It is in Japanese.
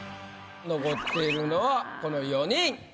残っているのはこの４人。